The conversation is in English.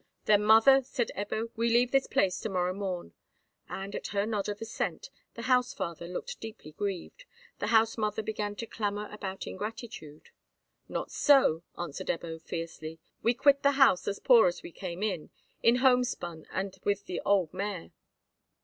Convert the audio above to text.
"Then, mother," said Ebbo, "we leave this place to morrow morn." And at her nod of assent the house father looked deeply grieved, the house mother began to clamour about ingratitude. "Not so," answered Ebbo, fiercely. "We quit the house as poor as we came, in homespun and with the old mare."